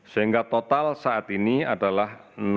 sehingga total saat ini adalah